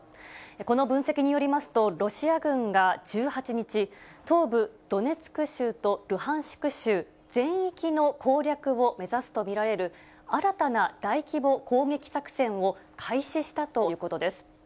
この分析によりますと、ロシア軍が１８日、東部ドネツク州とルハンシク州全域の攻略を目指すと見られる、新たな大規模攻撃作戦を開始したということです。